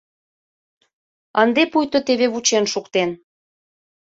Ынде пуйто теве вучен шуктен.